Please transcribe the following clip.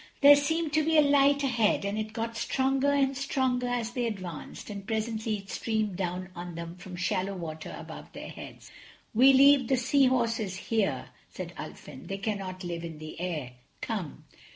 There seemed to be a light ahead, and it got stronger and stronger as they advanced, and presently it streamed down on them from shallow water above their heads. "We leave the Sea Horses here," said Ulfin, "they cannot live in the air. Come."